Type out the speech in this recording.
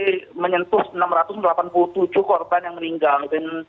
di jauh gaza menyentuh enam ratus delapan puluh tujuh korban yang meninggal